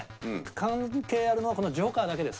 関係あるのはこのＪＯＫＥＲだけです。